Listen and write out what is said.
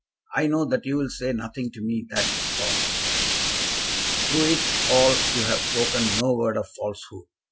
I know that you will say nothing to me that is false. Through it all you have spoken no word of falsehood.